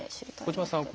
小島さん